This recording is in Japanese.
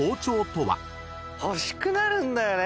欲しくなるんだよね